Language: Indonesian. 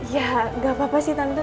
ya gak apa apa sih tante